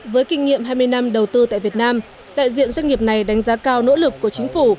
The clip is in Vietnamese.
với kinh nghiệm hai mươi năm đầu tư tại việt nam đại diện doanh nghiệp này đánh giá cao nỗ lực của chính phủ